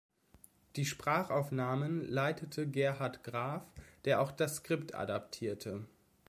Die Sprachaufnahmen leitete Gerhard Graf, der auch das Skript adaptierte.